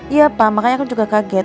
iya pak makanya aku juga kaget